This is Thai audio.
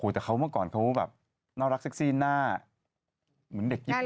อุฝยแต่ก่อนเขาคือแบบน่ารักเซ็กซี่หน้าเหมือนเด็กญี่ปุ่น